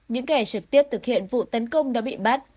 những kẻ trực tiếp thực hiện vụ tấn công đã bị bắt